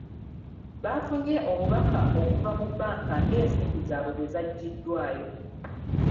Baafunye obubaka okuva mu bbanka ng’ensimbi zaabwe bwe zaggyiddwayo